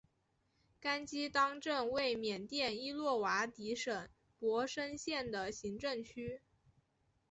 甘基当镇为缅甸伊洛瓦底省勃生县的行政区。